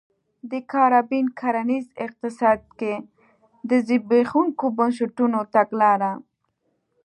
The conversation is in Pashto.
د کارابین کرنیز اقتصاد کې د زبېښونکو بنسټونو تګلاره